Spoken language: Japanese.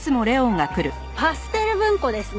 パステル文庫ですね。